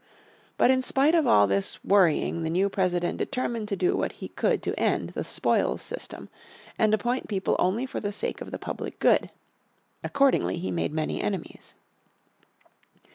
But in spite of all this worrying the new President determined to do what he could to end the "spoils system," and appoint people only for the sake of the public good. Accordingly he made many enemies.